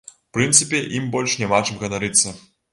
У прынцыпе, ім больш няма чым ганарыцца.